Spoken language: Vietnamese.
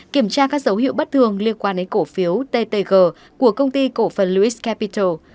kiểm tra các dấu hiệu bất thường liên quan đến cổ phiếu ttg của công ty cổ phần luis capital